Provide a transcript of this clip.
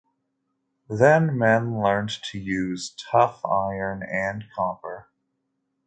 Then men learnt to use tough iron and copper.